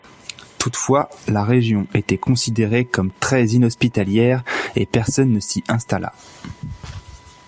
Toutefois, la région était considérée comme très inhospitalière et personne ne s'y installa.